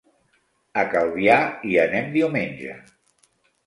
A Calvià hi anem diumenge.